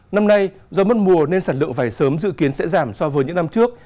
năm nay do mất mùa nên sản lượng vải sớm dự kiến sẽ giảm so với những năm trước